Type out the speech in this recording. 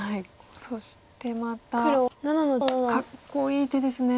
そしてまたかっこいい手ですね。